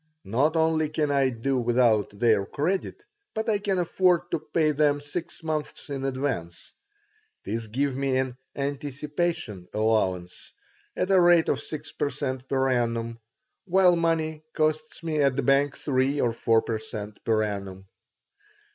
Not only can I do without their credit, but I can afford to pay them six months in advance. This gives me an "anticipation" allowance at the rate of six per cent. per annum, while money costs me at the banks three or four per cent. per annum.